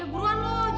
ya buruan loh cepetan